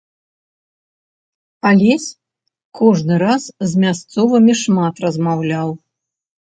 Алесь кожны раз з мясцовымі шмат размаўляў.